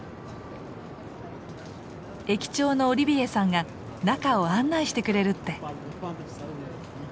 駅長のオリビエさんが中を案内してくれるって。